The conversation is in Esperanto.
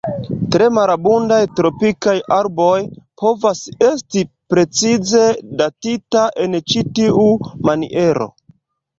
Tre malabundaj tropikaj arboj povas esti precize datita en ĉi tiu maniero.